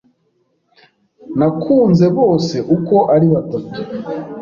Nakunze bose uko ari batatu.